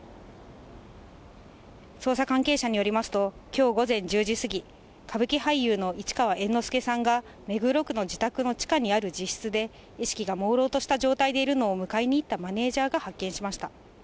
捜査関係者によりますと、きょう午前１０時過ぎ、歌舞伎俳優の市川猿之助さんが、目黒区の自宅の地下にある自室で、意識がもうろうとした状態でいるのを、迎えに行ったマネージャーが発見しました。